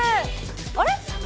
あれ？